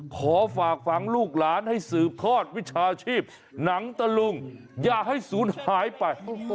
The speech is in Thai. ขอฝากฝังลูกหลานให้สืบทอดวิชาชีพหนังตะลุงอย่าให้ศูนย์หายไป